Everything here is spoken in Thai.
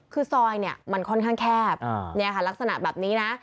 คือซอยเนี่ยมันค่อนข้างแคบลักษณะแบบนี้นะ